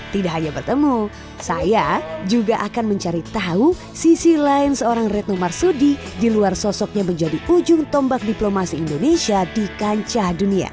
tidak hanya bertemu saya juga akan mencari tahu sisi lain seorang retno marsudi di luar sosoknya menjadi ujung tombak diplomasi indonesia di kancah dunia